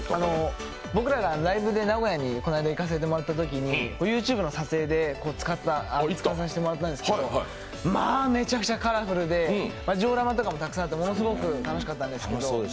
僕らがライブで名古屋にこの間行かせてもらったときにＹｏｕＴｕｂｅの撮影で使わさせてもらったんですけどまあ、めちゃくちゃカラフルでジオラマとかもたくさんあってものすごく楽しかったんです。